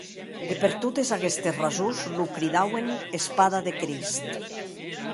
E per totes aguestes rasons lo cridauen Espada de Crist.